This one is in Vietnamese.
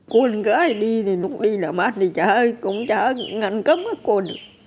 con gái đi thì lúc đi là mát thì chả ngăn cấm cô được